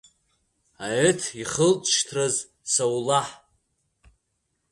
Аеҭ ихылҵышьҭраз Саулаҳ…